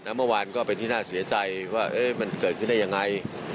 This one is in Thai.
เมื่อวานก็เป็นที่น่าเสียใจว่ามันเกิดขึ้นได้ยังไง